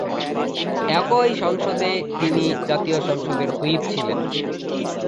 একই সংসদে তিনি জাতীয় সংসদের হুইপ ছিলেন।